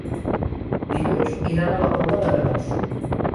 Dilluns iran a la Pobla d'Arenós.